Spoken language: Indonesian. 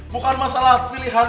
bukan masalah pilihan